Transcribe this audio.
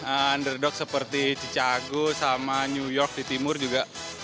underdog seperti cicago sama new york di timur juga